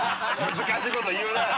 難しいこと言うな。